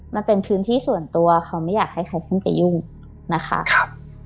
มันเป็นพื้นที่ส่วนตัวเขาไม่อยากให้ใครขึ้นไปยุ่งนะคะครับ